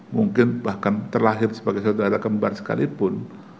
mungkin bahkan terlahir sebagai saudara kembar sekalipun